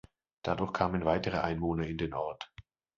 Dadurch kamen weitere Einwohner in den Ort.